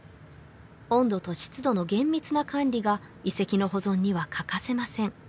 温度と湿度の厳密な管理が遺跡の保存には欠かせません